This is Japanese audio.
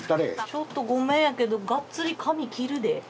ちょっとごめんやけどがっつり髪切るで。